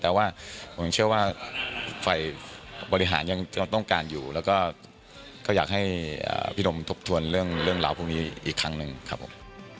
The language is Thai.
แต่ว่าผมเชื่อว่าฝ่ายบริหารยังต้องการอยู่แล้วก็อยากให้พี่หนุ่มทบทวนเรื่องราวพวกนี้อีกครั้งหนึ่งครับผม